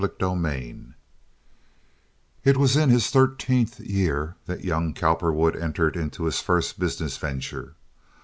Chapter III It was in his thirteenth year that young Cowperwood entered into his first business venture.